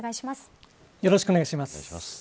よろしくお願いします。